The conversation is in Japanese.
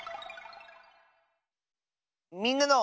「みんなの」。